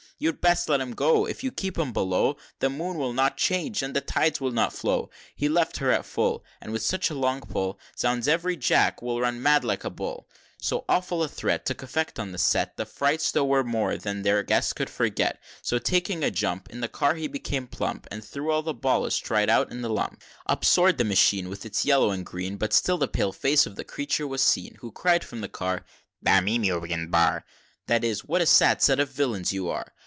XLI. "You'd best let him go If you keep him below, The Moon will not change, and the tides will not flow; He left her at full, And with such a long pull, Zounds! ev'ry man Jack will run mad like a bull!" XLII. So awful a threat Took effect on the set; The fright, tho', was more than their Guest could forget; So taking a jump, In the car he came plump, And threw all the ballast right out in a lump. XLIII. Up soar'd the machine, With its yellow and green; But still the pale face of the Creature was seen, Who cried from the car "Dam in yooman bi gar!" That is, "What a sad set of villains you are!"